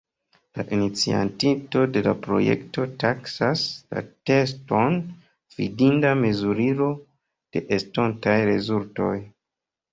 La iniciatinto de la projekto taksas la teston fidinda mezurilo de estontaj rezultoj.